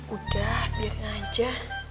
udah biarin aja